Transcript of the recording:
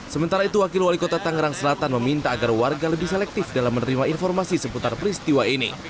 sementara itu wakil wali kota tangerang selatan meminta agar warga lebih selektif dalam menerima informasi seputar peristiwa ini